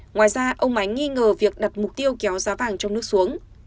ngoài ra ông ánh nghi ngờ việc đặt mục tiêu kéo giá vàng trong nước xuống